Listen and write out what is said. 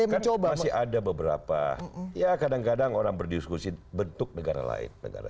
yang mencoba ada beberapa ya kadang kadang orang berdiskusi bentuk negara lain negara